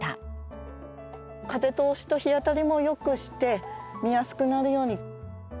風通しと日当たりもよくして見やすくなるように。